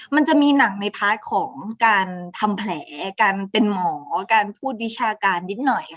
มันจะมีหนังในพาร์ทของการทำแผลการเป็นหมอการพูดวิชาการนิดหน่อยค่ะ